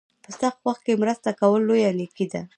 په سخت وخت کې مرسته کول لویه نیکي ده.